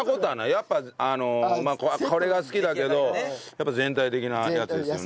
やっぱこれが好きだけどやっぱ全体的なやつですよね。